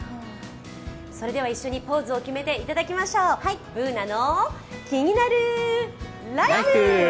それでは一緒にポーズを決めていただきましょう、「ＢｏｏｎａのキニナルＬＩＦＥ」！